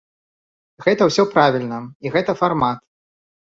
Гэта ўсё правільна, і гэта фармат.